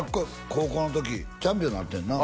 高校の時チャンピオンになったんやな